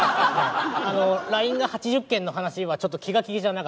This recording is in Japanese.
ＬＩＮＥが８０件の話はちょっと気が気じゃなかったです。